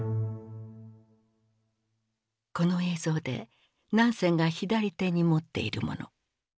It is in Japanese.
この映像でナンセンが左手に持っているもの。